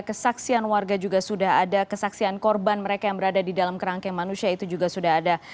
kesaksian warga juga sudah ada kesaksian korban mereka yang berada di dalam kerangkeng manusia itu juga sudah ada